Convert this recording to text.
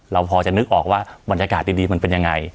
เราพอจะนึกออกว่าบรรยากาศดีมันเป็นยังไง